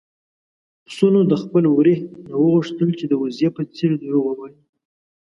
پسونو د خپل وري نه وغوښتل چې د وزې په څېر دروغ ووايي.